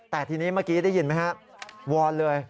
แต่ทีนี้เมื่อกี้ได้ยินไหมครับวอนเลย